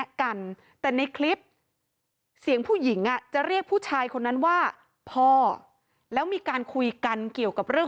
อีกสามร้อยเมตรจุดหมายของคุณจะอยู่ทางซ้ายพอเดินมาตรงกลางเล่นกลางดีโดมนี่เลยพอ